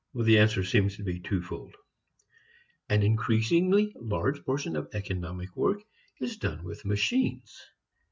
The answer seems to be twofold. An increasingly large portion of economic work is done with machines.